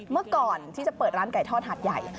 เมื่อก่อนที่จะเปิดร้านไก่ทอดหาดใหญ่